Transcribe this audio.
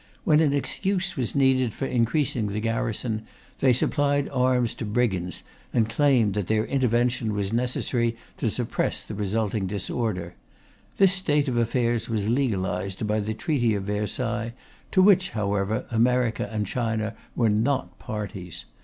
When an excuse was needed for increasing the garrison, they supplied arms to brigands, and claimed that their intervention was necessary to suppress the resulting disorder. This state of affairs was legalized by the Treaty of Versailles, to which, however, America and China were not parties.